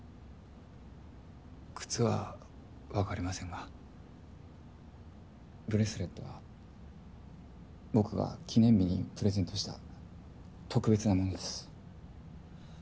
靴はわかりませんがブレスレットは僕が記念日にプレゼントした特別なものです。